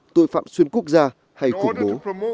tội phạm xuyên quốc gia hay khủng bố